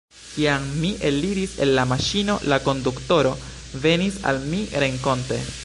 Kiam mi eliris el la maŝino, la konduktoro venis al mi renkonte.